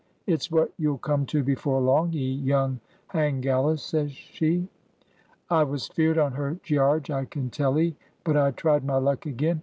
'It's what you'll come to before long, ye young hang gallus,' says she. I was feared on her, Gearge, I can tell 'ee; but I tried my luck again.